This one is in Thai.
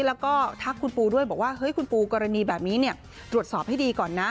แล้วก็ทักคุณปูด้วยบอกว่าเฮ้ยคุณปูกรณีแบบนี้ตรวจสอบให้ดีก่อนนะ